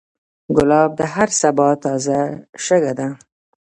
ګلاب د هر سبا تازه شګه ده.